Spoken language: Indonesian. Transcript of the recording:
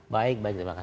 baik baik terima kasih